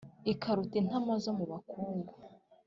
Ikaruta intama zo mu bakungu